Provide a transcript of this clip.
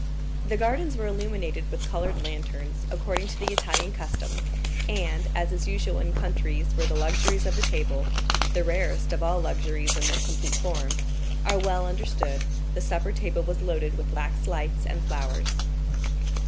The gardens were illuminated with colored lanterns, according to the Italian custom, and, as is usual in countries where the luxuries of the table—the rarest of all luxuries in their complete form—are well understood, the supper table was loaded with wax lights and flowers.